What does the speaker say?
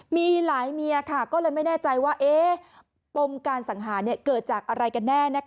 มีหลายเมียก็เลยไม่แน่ใจว่าปมการสังหารเกิดจากอะไรกันแน่